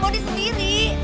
mau nih sendiri